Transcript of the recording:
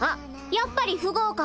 やっぱり不合格。